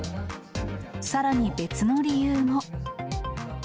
さらに別の理由も。